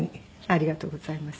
ありがとうございます。